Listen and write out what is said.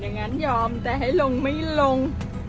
อย่างนั้นยอมแต่ให้ลงไม่ลง